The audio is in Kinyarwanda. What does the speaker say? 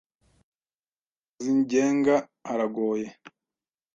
Mu nzira yigenga haragoye